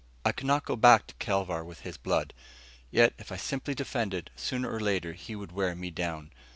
I could not go back to Kelvar with his blood. Yet if I simply defended, sooner or later he would wear me down.